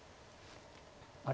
あれ？